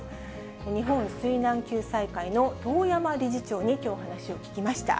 日本水難救済会の遠山理事長に、きょう、お話を聞きました。